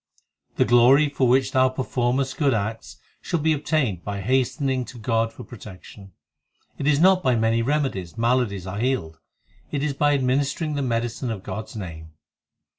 The glory for which thou performest good acts, Shall be obtained by hastening to God for protection. It is not by many remedies maladies are healed ; It is by administering the medicine of God s name.